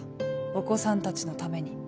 お子さんたちのために。